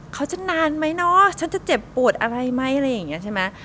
ฉันนานไหมเนาะฉันจะเจ็บปวดอะไรไหมอะไรอย่างนี้ใช่ไหม